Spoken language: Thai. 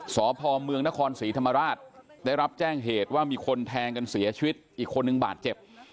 สพเมืองนครศรีธรรมราชได้รับแจ้งเหตุว่ามีคนแทงกันเสียชีวิตอีกคนนึงบาดเจ็บ